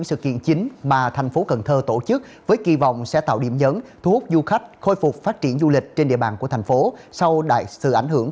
sản phẩm đặc trưng của địa phương